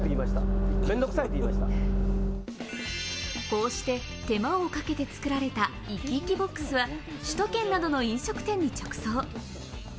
こうして手間をかけて作られた粋粋ＢＯＸは首都圏などの飲食店に直送。